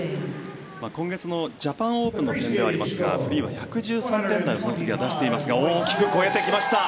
今月のジャパンオープンの点ではありますがフリーは１１３点台をその時は出していますが大きく超えてきました。